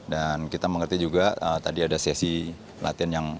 dan kita mengerti juga tadi ada sesi latihan yang